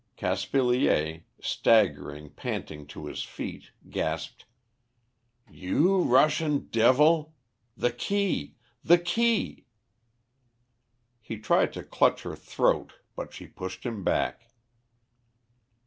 Caspilier, staggering panting to his feet, gasped "You Russian devil! The key, the key!" He tried to clutch her throat, but she pushed him back.